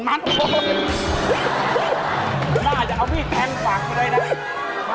น่าจะเอาพี่แทงฝากไปด้วยนะ